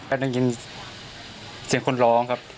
ได้ยินเสียงคนร้องครับ